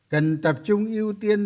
cần tập trung ưu tiên